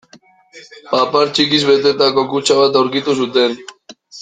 Papar txikiz betetako kutxa bat aurkitu zuten.